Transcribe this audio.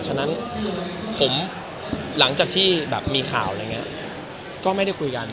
ฉะนั้นผมหลังจากที่แบบมีข่าวอะไรอย่างนี้ก็ไม่ได้คุยกัน